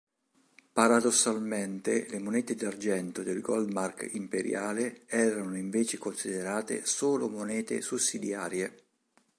Paradossalmente le monete d'argento del Goldmark imperiale erano invece considerate solo monete sussidiarie.